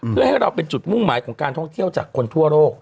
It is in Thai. เพื่อให้เราเป็นจุดมุ่งหมายของการท่องเที่ยวจากคนทั่วโลก